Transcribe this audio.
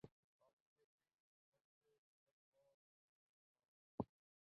پانی جیسے ہی نل سے نکلتا تو یوں لگتا